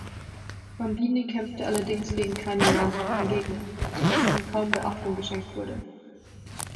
Bambini kämpfte allerdings gegen keine namhaften Gegner, so dass ihm kaum Beachtung geschenkt wurde.